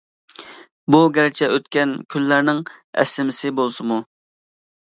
بۇ گەرچە ئۆتكەن كۈنلەرنىڭ ئەسلىمىسى بولسىمۇ.